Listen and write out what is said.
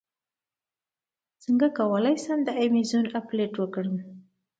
څنګه کولی شم د ایمیزون افیلیټ وکړم